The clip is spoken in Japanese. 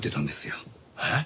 えっ？